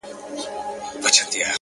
ددغه خلگو په كار ـ كار مه لره ـ